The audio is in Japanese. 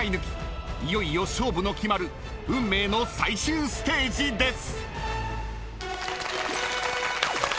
いよいよ勝負の決まる運命の最終ステージです］